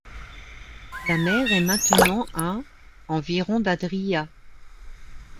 La mer est maintenant à environ d'Adria.